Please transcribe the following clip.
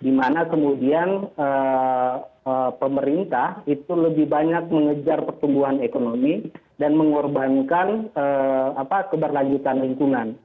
dimana kemudian pemerintah itu lebih banyak mengejar pertumbuhan ekonomi dan mengorbankan keberlanjutan lingkungan